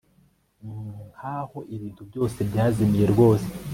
Nkaho ibintu byose byazimiye rwose